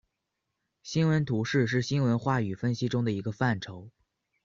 新闻图式是新闻话语分析中的一个范畴。